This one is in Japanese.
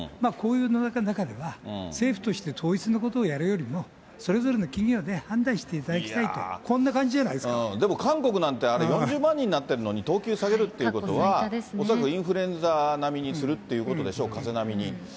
こういう中では、政府として統一のことをやるよりも、それぞれの企業で判断していただきたいと、こんな感じじゃないででも韓国なんて、あれ、４０万人になってるのに、等級下げるということは、恐らくインフルエンザ並みにするっていうことでしょう、かぜ並みに。